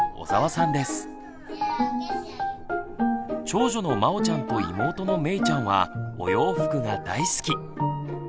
長女のまおちゃんと妹のめいちゃんはお洋服が大好き。